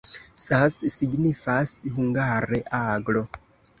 Sas signifas hungare: aglo.